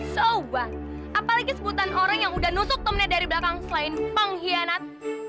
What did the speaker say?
soban apalagi sebutan orang yang udah nusuk tomnya dari belakang selain pengkhianat